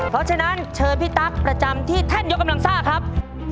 เพราะฉะนั้นเชิญพี่ตั๊กประจำที่ท่านยกกำลังซ่าครับ